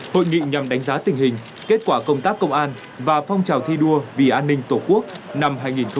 hội nghị nhằm đánh giá tình hình kết quả công tác công an và phong trào thi đua vì an ninh tổ quốc năm hai nghìn hai mươi ba